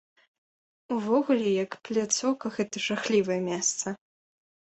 Увогуле як пляцоўка гэта жахлівае месца!